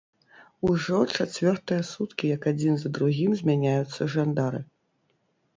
Ужо чацвёртыя суткі, як адзін за другім змяняюцца жандары.